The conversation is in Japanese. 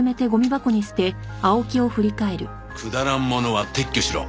くだらんものは撤去しろ。